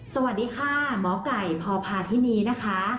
สวัสดีค่ะหมอไก่พพาธินีนะคะ